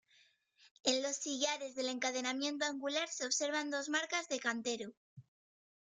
En los sillares del encadenamiento angular se observan dos marcas de cantero.